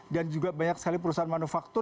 dan juga banyak sekali perusahaan manufaktur